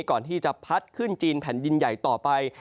ก่อนที่จะพัดขึ้นจีนแผ่นดินใหญ่ต่อไป